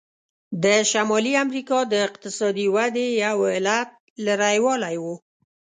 د شمالي امریکا د اقتصادي ودې یو علت لرې والی و.